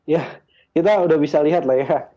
ya kita udah bisa lihat lah ya